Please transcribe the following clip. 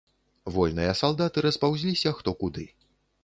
Вольныя салдаты распаўзліся хто куды.